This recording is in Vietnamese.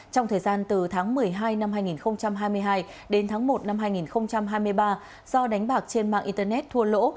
trong thời gian từ tháng một mươi hai năm hai nghìn hai mươi hai đến tháng một năm hai nghìn hai mươi ba do đánh bạc trên mạng internet thua lỗ